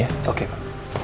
saya permisi ya